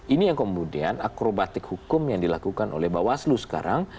ini yang kemudian akrobatik hukum yang dilakukan oleh bawaslu sekarang